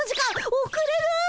おくれる！